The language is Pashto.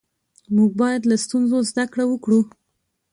موږ باید له ستونزو زده کړه وکړو